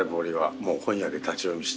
もう本屋で立ち読みして。